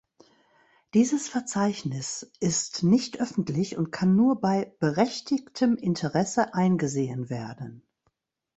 Dieses Verzeichnis ist nicht öffentlich und kann nur bei „berechtigtem Interesse“ eingesehen werden.